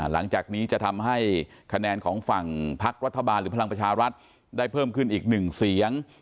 หลังจากนี้จะทำให้คะแนนของฝั่งพักรัฐบาลหรือพลังประชารัฐได้เพิ่มขึ้นอีกหนึ่งเสียง